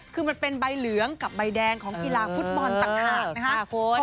คือมันเป็นใบเหลืองกับใบแดงของกีฬาฟุตบอลต่างหากนะครับ